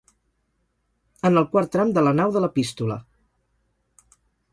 En el quart tram de la nau de l'Epístola.